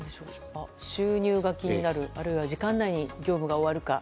収入が気になるあるいは時間内に業務が終わるか。